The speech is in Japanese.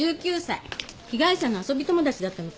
被害者の遊び友達だったみたいよ。